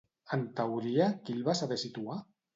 En teoria, qui el va saber situar?